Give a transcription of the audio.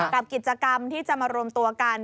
กับกิจกรรมที่จะมารวมตัวกัน